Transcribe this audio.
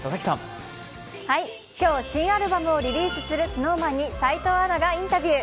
今日、新アルバムをリリースするＳｎｏｗＭａｎに齋藤アナがインタビュー。